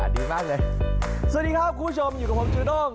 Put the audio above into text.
สวัสดีครับคุณผู้ชมอยู่กับผมจูโด้ง